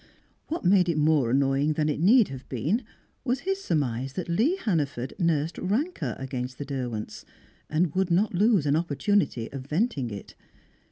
What made it more annoying than it need have been was his surmise that Lee Hannaford nursed rancour against the Derwents, and would not lose an opportunity of venting it.